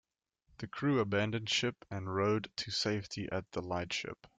The crew abandoned ship and rowed to safety at the lightship.